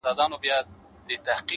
چي روږدي سوی له کوم وخته په گيلاس يمه ـ